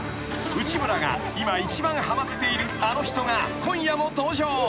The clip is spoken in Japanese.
［内村が今一番はまっているあの人が今夜も登場］